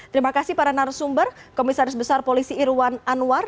terima kasih para narasumber komisaris besar polisi irwan anwar